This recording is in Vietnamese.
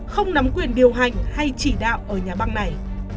không nắm quyền điều hành hay chỉ đạo ở nhà băng này